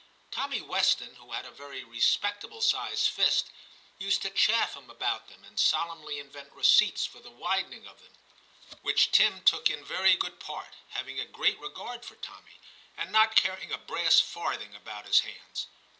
Tommy Weston, who had a very respectable sized fist, used to chaff him about them, and solemnly invent receipts for the widening of them, which Tim took in very good part, having a great regard for Tommy, and not caring a brass farthing about his hands.